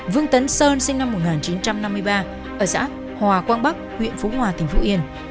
vương tấn sơn sinh năm một nghìn chín trăm năm mươi ba ở xã hòa quang bắc huyện phú hòa tỉnh phú yên